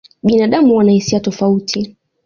Binadamu huwa na hisia tofauti.